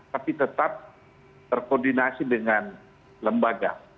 tapi tetap terkoordinasi dengan lembaga